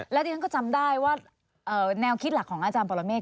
แล้วดิฉันก็จำได้ว่าแนวคิดหลักของอาจารย์ปรเมฆ